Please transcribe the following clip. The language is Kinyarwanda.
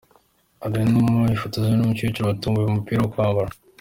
Alain Numa yifotozanya n'umukecuru watomboye umupira wo kwambara.